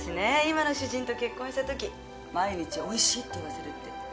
今の主人と結婚した時毎日美味しいって言わせるって目標を立てたの。